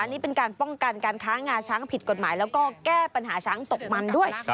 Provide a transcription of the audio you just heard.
นี่เป็นการป้องกันการค้างาช้างผิดกฎหมายแล้วก็แก้ปัญหาช้างตกมันด้วย